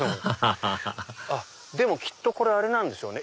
ハハハでもきっとあれなんでしょうね。